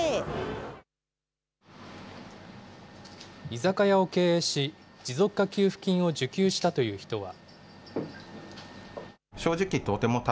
居酒屋を経営し、持続化給付金を受給したという人は。